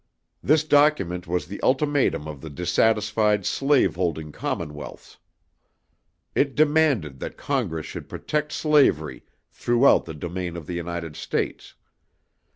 This document was the ultimatum of the dissatisfied slave holding commonwealths. It demanded that Congress should protect slavery throughout the domain of the United States.